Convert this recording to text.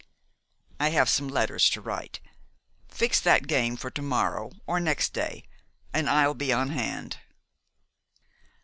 "I have some letters to write. Fix that game for to morrow or next day, and I'll be on hand."